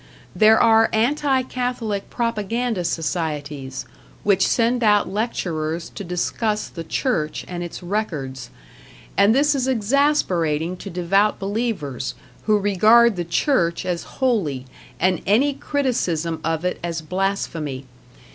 There are anti Catholic propaganda societies, which send out lecturers to discuss the Church and its records; and this is exasperating to devout believers, who regard the Church as holy, and any criticism of it as blasphemy.